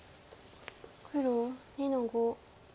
黒２の五。